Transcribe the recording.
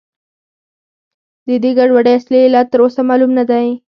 د دې ګډوډۍ اصلي علت تر اوسه معلوم نه دی.